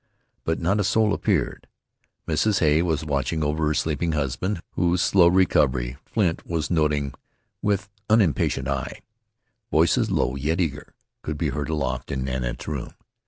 But not a soul appeared. Mrs. Hay was watching over her sleeping husband, whose slow recovery Flint was noting with unimpatient eye. Voices low, yet eager, could be heard aloft in Nanette's room.